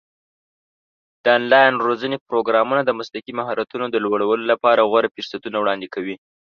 د آنلاین روزنې پروګرامونه د مسلکي مهارتونو د لوړولو لپاره غوره فرصتونه وړاندې کوي.